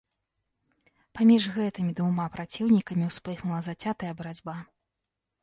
Паміж гэтымі двума праціўнікамі ўспыхнула зацятая барацьба.